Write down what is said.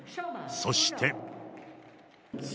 そして。